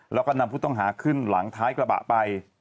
แล้วก็นำผู้ต้องหาขึ้นหลังท้ายกระบะไป